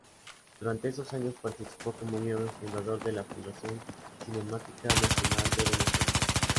Durante esos años participó como miembro fundador de la Fundación Cinemateca Nacional de Venezuela.